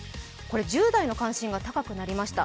１０代の関心が高くなりました。